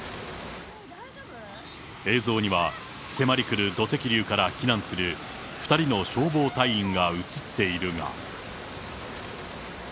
映像には、迫り来る土石流から避難する、２人の消防隊員が写っているが。